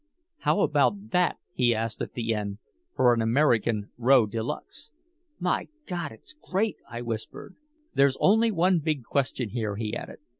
"How about that," he asked at the end, "for an American row de luxe?" "My God, it's great," I whispered. "There's only one big question here," he added.